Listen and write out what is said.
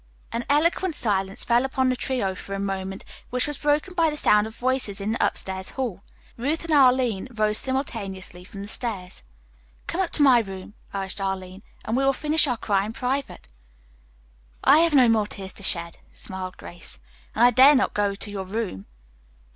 An eloquent silence fell upon the trio for a moment, which was broken by the sound of voices in the upstairs hall. Ruth and Arline rose simultaneously from the stairs. "Come up to my room," urged Arline, "and we will finish our cry in private." "I have no more tears to shed," smiled Grace, "and I dare not go to your room."